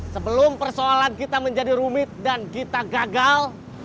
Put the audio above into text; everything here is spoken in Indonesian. sebelum persoalan kita menjadi rumit dan kita gagal